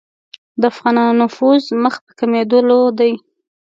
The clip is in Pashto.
د افغانانو نفوذ مخ په کمېدلو دی.